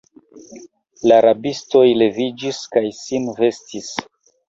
La rabistoj leviĝis kaj sin vestis.